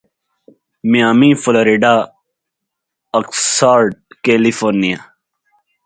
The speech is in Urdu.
Miami Florida Oxnard California